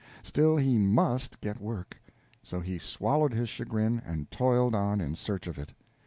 Still, he _must _get work; so he swallowed his chagrin, and toiled on in search of it.